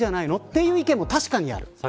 という意見も確かにある。